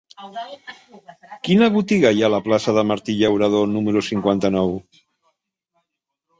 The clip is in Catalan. Quina botiga hi ha a la plaça de Martí Llauradó número cinquanta-nou?